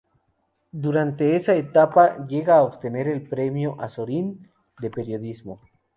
Durante esa etapa llega a obtener el Premio Azorín de Periodismo.